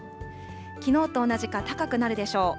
きのうと同じか高くなるでしょう。